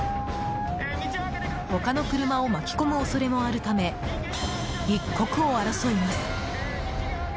他の車を巻き込む恐れもあるため一刻を争います。